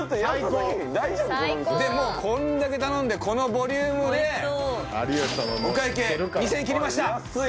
この店こんだけ頼んでこのボリュームでお会計２０００円切りました